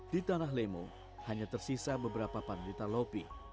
di tanah lemo hanya tersisa beberapa pan rita lopi